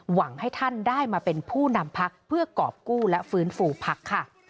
หวังให้ท่านได้มาเป็นผู้นำพักเพื่อกรอบกู้และฟื้นฟูพักค่ะ